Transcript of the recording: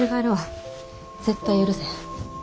絶対許せへん。